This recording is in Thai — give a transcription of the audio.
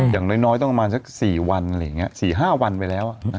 อย่างน้อยต้องประมาณสัก๔๕วันไปแล้ว